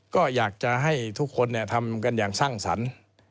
ก็อยากจะให้ทุกคนทำกันอย่างสร้างสรรค์